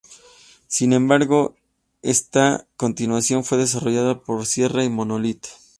Sin embargo, esta continuación fue desarrollada por Sierra y Monolith.